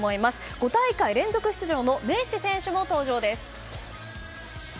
５大会連続出場のメッシ選手の登場です。